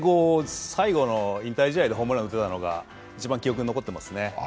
最後の引退試合でホームランを打てたのが一番印象に残っていますね。